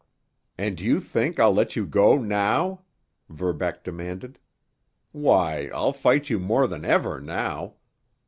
"And you think I'll let you go now?" Verbeck demanded. "Why, I'll fight you more than ever now!